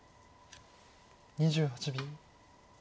２８秒。